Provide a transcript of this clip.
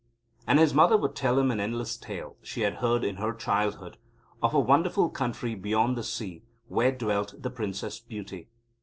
And his mother would tell him an endless tale she had heard in her childhood of a wonderful country beyond the sea where dwelt the Princess Beauty.